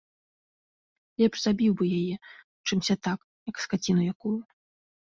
Лепш забіў бы яе, чымся так, як скаціну якую.